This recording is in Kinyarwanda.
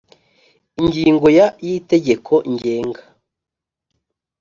Ingingo ya y itegeko ngenga